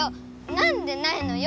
なんでないのよ！